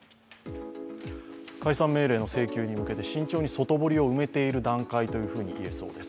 解散命令の請求に向けて慎重に外堀を埋めている段階と言えそうです。